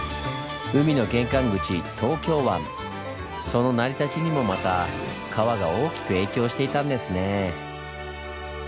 その成り立ちにもまた川が大きく影響していたんですねぇ。